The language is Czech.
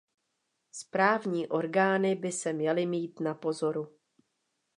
Správní orgány by se měly mít napozoru.